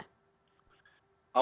awalnya mereka mengatakan